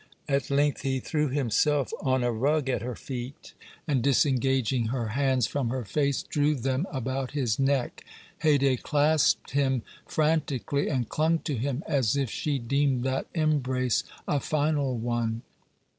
At length he threw himself on a rug at her feet, and, disengaging her hands from her face, drew them about his neck; Haydée clasped him frantically and clung to him as if she deemed that embrace a final one.